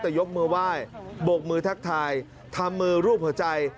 แต่ยกมือไหว้บกมือทักทายทำมือรูปหัวใจ